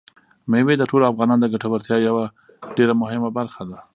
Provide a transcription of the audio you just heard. مېوې د ټولو افغانانو د ګټورتیا یوه ډېره مهمه برخه ده.